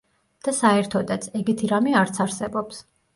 და საერთოდაც, ეგეთი რამე არც არსებობს.